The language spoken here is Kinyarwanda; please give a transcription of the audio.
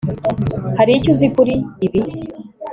hari icyo uzi kuri ibi